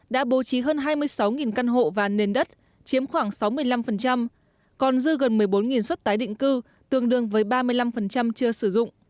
đã bố trí hơn hai mươi sáu căn hộ và nền đất chiếm khoảng sáu mươi năm còn dư gần một mươi bốn xuất tái định cư tương đương với ba mươi năm chưa sử dụng